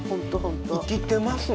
生きてますね。